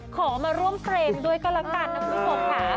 ขอมาร่วมเพลงด้วยก็ละกันนะครับคุณผู้ชมค่ะ